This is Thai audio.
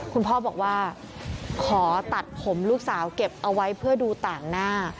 คุณพ่อบอกว่าขอตัดผมลูกสาวเก็บเอาไว้เพื่อดูต่างหน้า